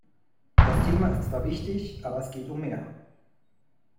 Das Thema ist zwar wichtig, aber es geht um mehr.